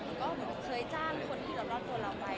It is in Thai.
แล้วก็เหมือนเคยจ้างคนที่อยู่รอบตัวเราไป